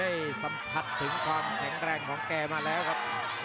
ให้แบบกลายมวยได้สัมพันธ์ถึงความแข็งแรงของแกมาแล้วครับ